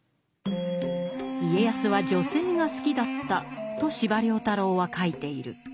家康は女性が好きだったと司馬太郎は書いている。